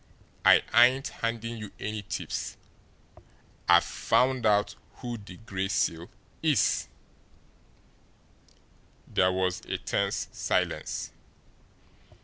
I ain't handing you any tips. I'VE FOUND OUT WHO THE GRAY SEAL IS!" There was a tense silence.